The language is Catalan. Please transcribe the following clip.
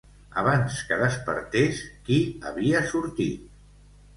Abans que despertés, qui havia sortit?